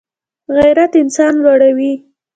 غیرت انسان لوړوي